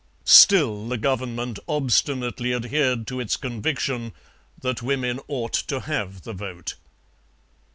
Still the Government obstinately adhered to its conviction that women ought to have the vote.